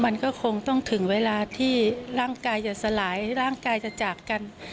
มันก็คงต้องถึงเวลาที่ร่างกายจะสลายร่างกายจะจากกัน